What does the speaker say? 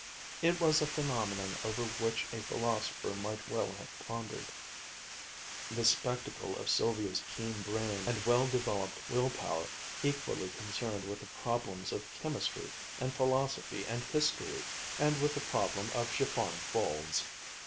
It was a phenomenon over which a philosopher might well have pondered, this spectacle of Sylvia's keen brain and well developed will power equally concerned with the problems of chemistry and philosophy and history, and with the problem of chiffon folds.